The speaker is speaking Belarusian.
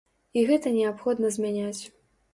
І гэта неабходна змяняць.